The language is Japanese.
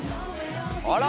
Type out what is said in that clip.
あら！